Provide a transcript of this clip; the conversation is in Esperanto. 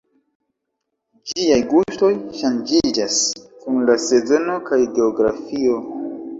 Ĝiaj gustoj ŝanĝiĝas kun la sezono kaj geografio.